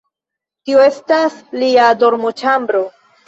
Tio estas lia dormoĉambro.